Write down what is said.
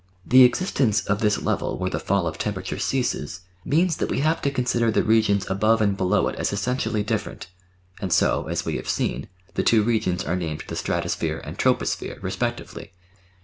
The existence of this level where the fall of temperature ceases means that we have to consider the regions above and below it as essentially different, and so, as we have seen, the two regions are named the "stratosphere" and "troposphere" respec tively.